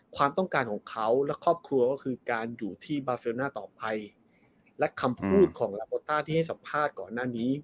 ความต้องการของเขาและครอบครัวก็คือการอยู่ที่บาเซลน่าต่อไปและคำพูดของลาโอต้าที่ให้สัมภาษณ์ก่อนหน้านี้